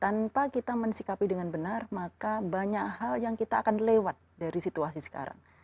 tanpa kita mensikapi dengan benar maka banyak hal yang kita akan lewat dari situasi sekarang